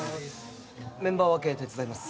メンバー分け手伝います